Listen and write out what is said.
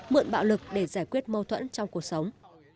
mượn bạo lực để giải quyết mâu thuẫn trong cuộc sống